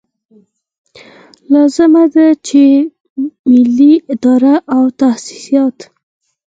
لازمه ده چې ملي ادارې او تاسیسات.